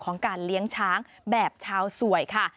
ของการเลี้ยงช้างแบบชาวสวยค่ะ